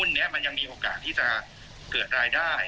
แล้วก็มันมีโอกาสไหมอะไรอย่างนี้ครับ